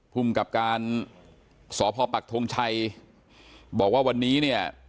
ภูมิกับการสพปักทงชัยบอกว่าวันนี้เนี่ย